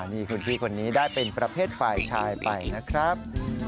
นี่คุณพี่คนนี้ได้เป็นประเภทฝ่ายชายไปนะครับ